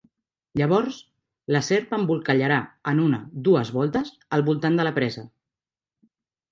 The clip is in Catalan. Llavors, la serp embolcallarà en una dues voltes al voltant de la presa.